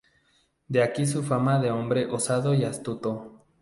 De aquí su fama de hombre osado y astuto.